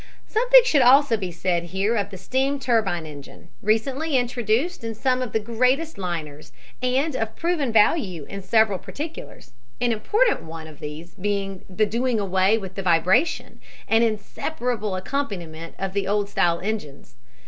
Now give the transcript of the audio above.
Something should also be said here of the steam turbine engine, recently introduced in some of the greatest liners, and of proven value in several particulars, an important one of these being the doing away with the vibration, an inseparable accompaniment of the old style engines.